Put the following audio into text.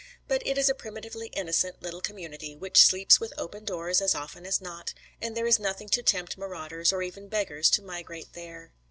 But it is a primitively innocent little community, which sleeps with open doors as often as not, and there is nothing to tempt marauders or even beggars to migrate there.